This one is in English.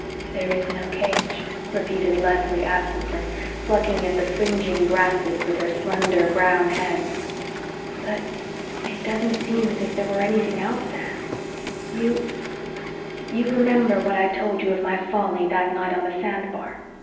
"There is no cage," repeated Leslie absently, plucking at the fringing grasses with her slender, brown hands. "But it doesn't seem as if there were anything else, Anne. You you remember what I told you of my folly that night on the sand bar?